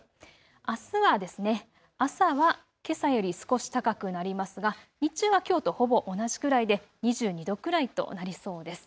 あすは朝はけさより少し高くなりますが、日中はきょうとほぼ同じくらいで２２度くらいとなりそうです。